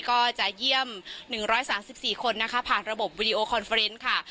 ก็จะเยี่ยม๑๓๔คนนะคะผ่านระบบวิดีโอคอนเฟอร์เนส์ค่ะ